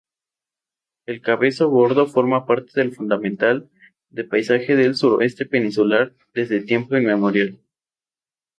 El Cabezo Gordo forma parte fundamental de paisaje del sureste peninsular desde tiempo inmemorial.